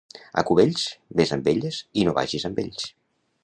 A Cubells, ves amb elles i no vagis amb ells.